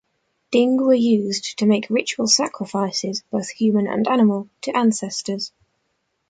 Ding were used to make ritual sacrifices, both human and animal, to ancestors.